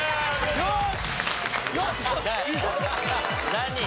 何？